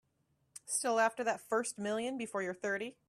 Still after that first million before you're thirty.